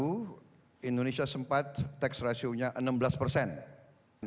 indonesia sempat tax ratio nya enam belas persen